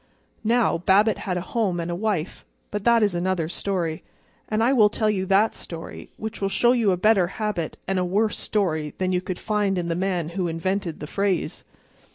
Now, Babbitt had a home and a wife—but that is another story. And I will tell you that story, which will show you a better habit and a worse story than you could find in the man who invented the phrase.